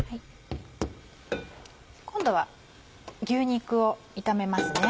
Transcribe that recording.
今度は牛肉を炒めます。